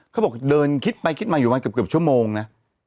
เขาบอกเดินคิดไปคิดมาอยู่มาเกือบชั่วโมงนะ